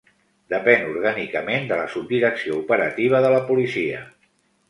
Depèn orgànicament de la Subdirecció Operativa de la Policia.